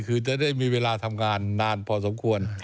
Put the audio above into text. คือจะได้มีเวลาทำงานนานพอสมควร